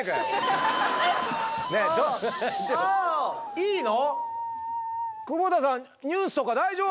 いいの？